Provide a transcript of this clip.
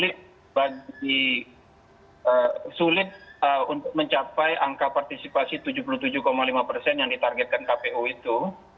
karena sulit untuk mencapai angka partisipasi tujuh puluh tujuh lima persen yang ditargetkan kpu itu